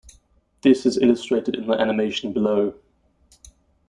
This is illustrated in the animation below.